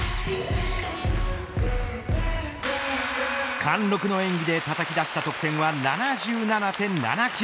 貫禄の演技でたたき出した得点は７７．７９。